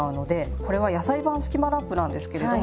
これは野菜版スキマラップなんですけれども。